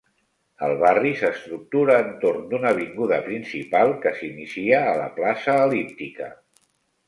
El barri s'estructura entorn d'una avinguda principal que s'inicia a la Plaça El·líptica.